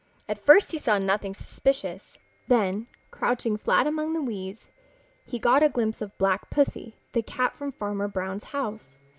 At first he saw nothing suspicious. Then, crouching flat among the weeds, he got a glimpse of Black Pussy, the cat from Farmer Brown's house.